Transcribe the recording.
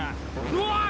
うわっ！